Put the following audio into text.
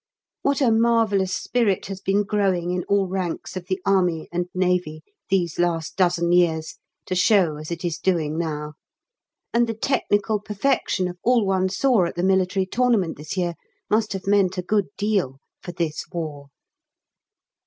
What a marvellous spirit has been growing in all ranks of the Army (and Navy) these last dozen years, to show as it is doing now. And the technical perfection of all one saw at the Military Tournament this year must have meant a good deal for this War.